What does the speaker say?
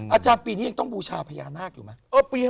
อาจารย์ปีนี้ยังต้องบูชาพญานาคอยู่ไหม